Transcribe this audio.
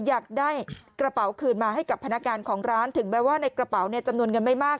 อยากได้กระเป๋าคืนมาให้กับพนักงานของร้านถึงแม้ว่าในกระเป๋าเนี่ยจำนวนเงินไม่มาก